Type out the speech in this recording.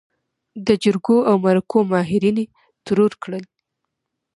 د جرګو او مرکو ماهرين يې ترور کړل.